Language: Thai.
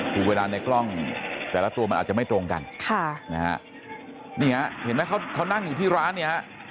คือเวลาในกล้องแต่ละตัวมันอาจจะไม่ตรงกันค่ะนะฮะนี่ฮะเห็นไหมเขานั่งอยู่ที่ร้านเนี่ยฮะ